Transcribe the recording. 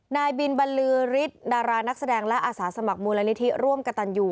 นายบินบรรลือฤทธิ์ดารานักแสดงและอาสาสมัครมูลนิธิร่วมกระตันยู